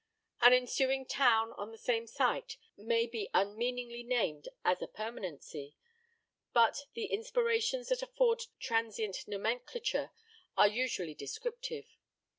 An ensuing town on the same site may be unmeaningly named as a permanency, but the inspirations that afford transient nomenclature are usually descriptive.